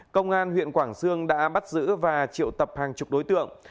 công an huyện quảng sương đã bắt giữ và triệu tập hàng chục đối tượng